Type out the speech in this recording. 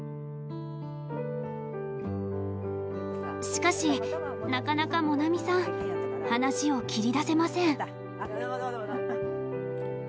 しかしなかなか萌菜見さん話を切り出せません。